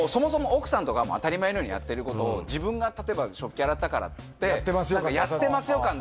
奥さんとか当たり前のようにやってることを自分が食器洗ったからってやってますよ